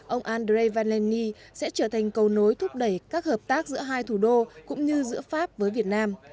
ông andrevaleni sẽ trở thành cầu nối thúc đẩy các hợp tác giữa hai thủ đô cũng như giữa pháp với việt nam